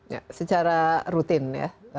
ya secara rutin ya